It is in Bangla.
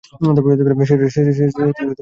সেটা সেভাবেই হোক।